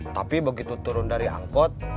tapi begitu turun dari angkot